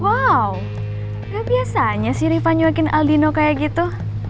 wow gak biasanya sih rifanyuakin aldino kayak gitu